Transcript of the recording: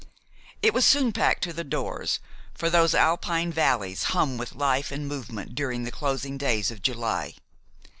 It was soon packed to the doors, for those Alpine valleys hum with life and movement during the closing days of July.